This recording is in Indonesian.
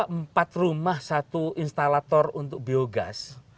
empat rumah satu instalator untuk biogas